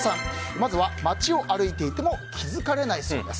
まずは街を歩いていても気づかれないそうです。